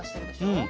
うん。